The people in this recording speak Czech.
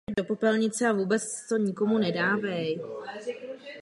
Kromě toho musí provádění zásady zahrnovat i bezpečnostní aspekty.